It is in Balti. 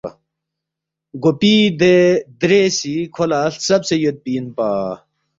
“ گوپی دے درے سی کھو لہ ہلژَبسے یودپی اِنپا،